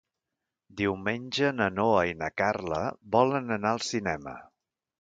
Diumenge na Noa i na Carla volen anar al cinema.